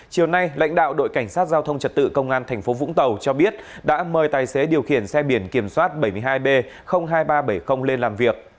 chiều nay lãnh đạo đội cảnh sát giao thông trật tự công an tp vũng tàu cho biết đã mời tài xế điều khiển xe biển kiểm soát bảy mươi hai b hai nghìn ba trăm bảy mươi lên làm việc